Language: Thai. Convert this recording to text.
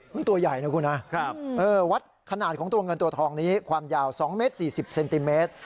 มันตัวใหญ่นะคุณนะวัดขนาดของตัวเงินตัวทองนี้ความยาว๒เมตร๔๐เซนติเมตร